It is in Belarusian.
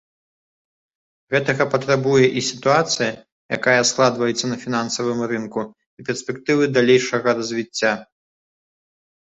Гэтага патрабуе і сітуацыя, якая складваецца на фінансавым рынку, і перспектывы далейшага развіцця.